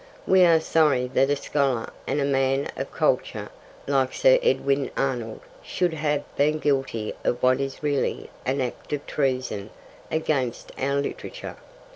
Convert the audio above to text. We are sorry that a scholar and a man of culture like Sir Edwin Arnold should have been guilty of what is really an act of treason against our literature.